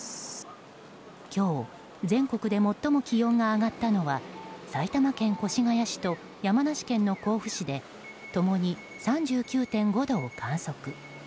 今日、全国で最も気温が上がったのは埼玉県越谷市と山梨県甲府市でともに３９．５度を観測。